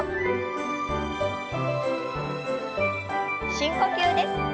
深呼吸です。